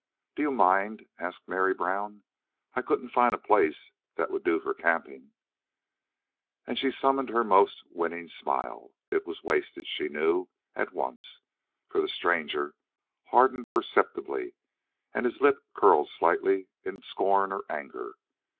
"Do you mind?" asked Mary Brown. "I couldn't find a place that would do for camping." And she summoned her most winning smile. It was wasted, she knew at once, for the stranger hardened perceptibly, and his lip curled slightly in scorn or anger.